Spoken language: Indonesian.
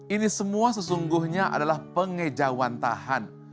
ini semua sesungguhnya adalah pengejauhan tahan